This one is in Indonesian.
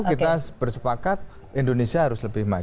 kita bersepakat indonesia harus lebih maju